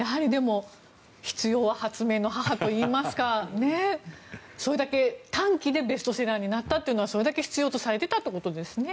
必要は発明の母といいますかそれだけ短期でベストセラーになったというのはそれだけ必要とされていたということですね。